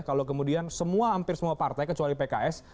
kalau kemudian hampir semua partai kecuali pks